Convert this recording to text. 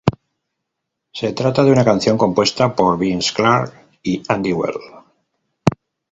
Se trata de una canción compuesta por Vince Clarke y Andy Bell.